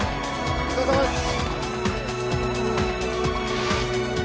お疲れさまです。